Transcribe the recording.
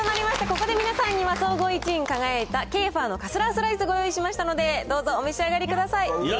ここで皆さんには総合１位に輝いた、ケーファーのカスラースライス、ご用意しましたので、どうぞお召し上がりください。